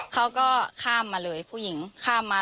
เขาก็ข้ามมาเลยผู้หญิงข้ามมา